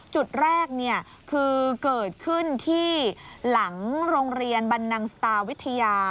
จุดแรกคือเกิดขึ้นที่หลังโรงเรียนบรรนังสตาวิทยา